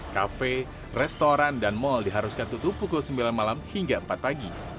kafe restoran dan mal diharuskan tutup pukul sembilan malam hingga empat pagi